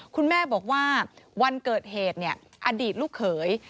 คุณแม่บอกว่าวันเกิดเหตุอดีตลูกเขย